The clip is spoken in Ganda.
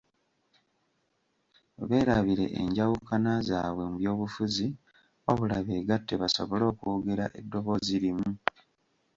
Beerabire enjawukana zaabwe mu byobufuzi wabula beegatte basobole okwogera eddoboozi limu.